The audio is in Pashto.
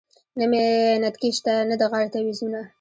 نه مې نتکې شته نه د غاړې تعویذونه .